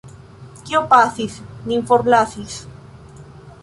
Kio pasis, nin forlasis.